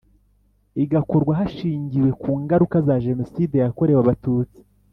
igakorwa hashingiwe ku ngaruka za Jenoside yakorewe Abatutsi